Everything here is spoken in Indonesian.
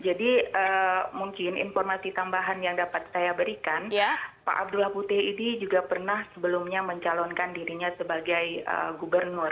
jadi mungkin informasi tambahan yang dapat saya berikan pak abdullah putih ini juga pernah sebelumnya mencalonkan dirinya sebagai gubernur